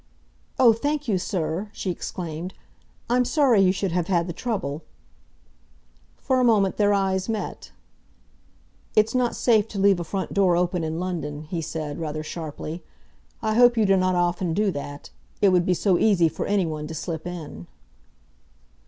"Oh, thank you, sir!" she exclaimed. "I'm sorry you should have had the trouble." For a moment their eyes met. "It's not safe to leave a front door open in London," he said, rather sharply. "I hope you do not often do that. It would be so easy for anyone to slip in."